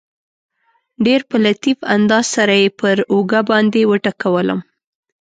ډېر په لطیف انداز سره یې پر اوږه باندې وټکولم.